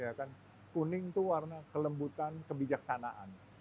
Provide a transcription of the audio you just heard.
ya kan kuning itu warna kelembutan kebijaksanaan